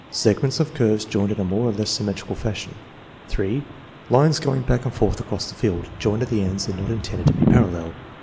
Segments of curves joined in a more or less symmetrical fashion. 3. Lines going back and forth across the field, joined at the ends and not intended to be parallel.